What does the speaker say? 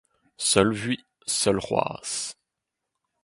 seul vui seul c'hoazh